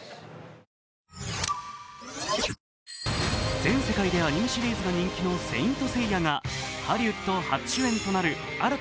全世界でアニメシリーズが人気の「聖闘士星矢」がハリウッド初主演となる新田